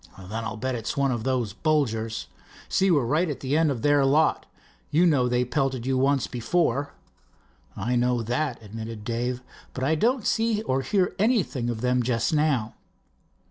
"Then I'll bet it's one of those Bolgers. See, we're right at the end of their lot. You know they pelted you once before?" "I know that," admitted Dave, "but I don't see or hear anything of them just now."